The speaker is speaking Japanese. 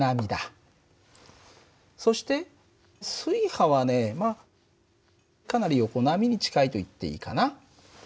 そして水波はねまあかなり横波に近いといっていいかな。